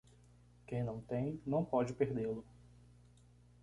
Quem não tem, não pode perdê-lo.